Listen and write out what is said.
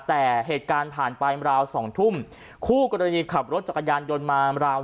แต่เหตุการณ์ผ่านไปราวสองทุ่มคู่กรณีขับรถจักรยานยนต์มาราว